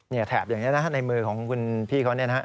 แถบอย่างนี้นะในมือของคุณพี่เขาเนี่ยนะฮะ